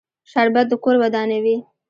شربت د کور ودانوي